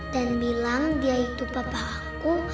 dan bilang dia itu papa aku